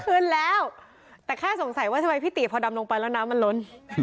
ขึ้นแล้วแต่แค่สงสัยว่าทำไมพี่ติพอดำลงไปแล้วน้ำมันล้น